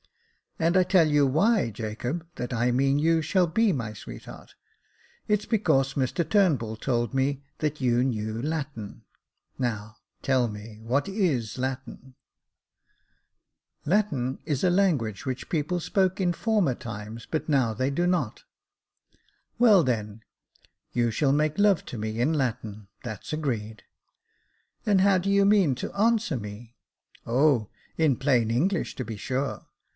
And I tell you why, Jacob, I mean that you shall be my sweetheart, it's because Mr Turnbull told me that you knew Latin ; now tell me, what is Latin ?"" Latin is a language which people spoke in former times, but now they do not." Jacob Faithful 195 •*Well, then, you shall make love to me in Latin, that's agreed." " And how do you mean to answer me ?"'* O, in plain English, to be sure."